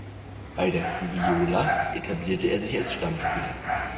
Bei der "Viola" etablierte er sich als Stammspieler.